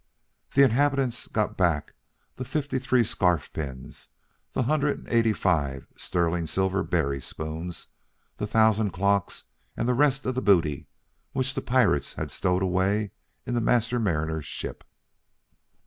The inhabitants got back the fifty three scarf pins, the hundred and eighty five sterling silver berry spoons, the thousand clocks, and the rest of the booty which the pirates had stowed away in the Master Mariner's ship.